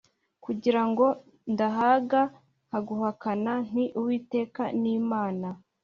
Kugira ngo ndahaga nkaguhakana nti Uwiteka ni Imana